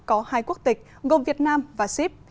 có hai quốc tịch gồm việt nam và sip